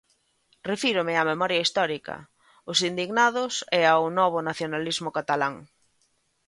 Refírome á memoria histórica, os indignados e ao novo nacionalismo catalán.